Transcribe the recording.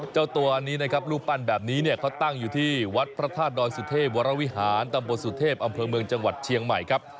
เจ้าตัวนี้นะครับรูปปั้นแบบนี้เนี่ยเขาตั้งอยู่ที่วัดพระธาตุดอยสุเทพวรวิหารตำบลสุเทพอำเภอเมืองจังหวัดเชียงใหม่ครับ